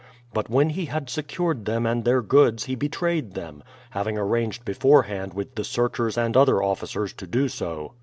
But when he had secured them and their goods he betrayed them, having arranged beforehand with the searchers and other officers to do so.